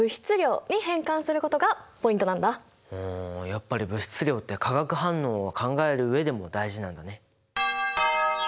やっぱり物質量って化学反応を考える上でも大事なんだね。